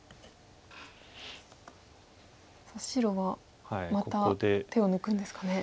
さあ白はまた手を抜くんですかね。